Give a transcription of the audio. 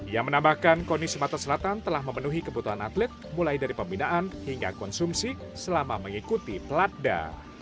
ia menambahkan koni sumatera selatan telah memenuhi kebutuhan atlet mulai dari pembinaan hingga konsumsi selama mengikuti platda